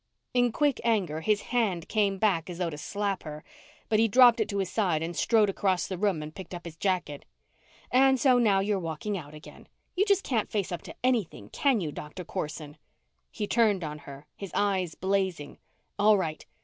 In quick anger, his hand came back as though to slap her. But he dropped it to his side and strode across the room and picked up his jacket. "And so now you're walking out again. You just can't face up to anything, can you, Doctor Corson." He turned on her, his eyes blazing. "All right.